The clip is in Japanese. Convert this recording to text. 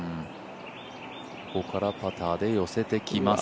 ここからパターで寄せてきます。